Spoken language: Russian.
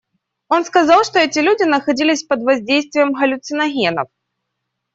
Он сказал, что эти люди находились под воздействием галлюциногенов.